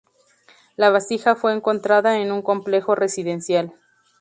La vasija fue encontrada en un complejo residencial.